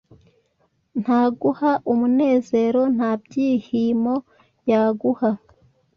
Ntaguha umunezero, nta byihimo, yaguha